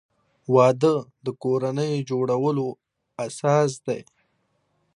وادۀ د کورنۍ جوړولو اساس دی.